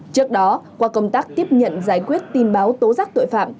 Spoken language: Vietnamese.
trước đó qua công tác tiếp nhận giải quyết tin báo tố giác tội phạm